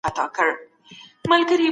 د ارغنداب سیند د ژوندانه یوه حیاتي نښه ده.